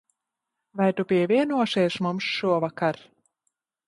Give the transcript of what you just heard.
Vai tu pievienosies mums šovakar?